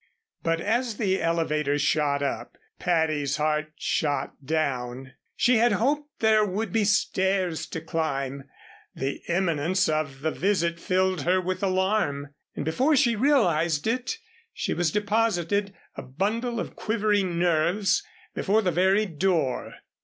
But as the elevator shot up, Patty's heart shot down. She had hoped there would be stairs to climb. The imminence of the visit filled her with alarm, and before she realized it, she was deposited a bundle of quivering nerves, before the very door.